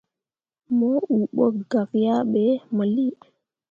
Mo uu ɓo gak yah ɓe mo lii.